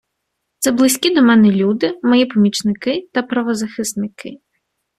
Це близькі до мене люди, мої помічники та правозахисники.